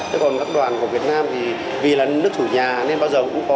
thế còn các đoàn của việt nam thì vì là nước chủ nhà nên bao giờ cũng có